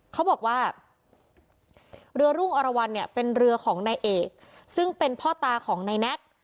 เขาบอกว่าเรือรุ่งอรวรรณเนี่ยเป็นเรือของนายเอกซึ่งเป็นพ่อตาของนายแน็ก